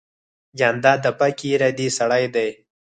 جانداد د پاکې ارادې سړی دی.